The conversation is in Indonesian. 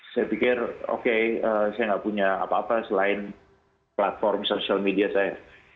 saya pikir oke saya nggak punya apa apa selain platform sosial media saya